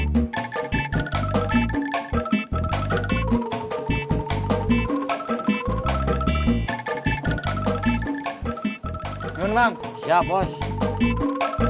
tasik tasik tasik